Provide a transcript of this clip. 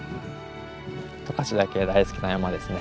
十勝岳大好きな山ですね。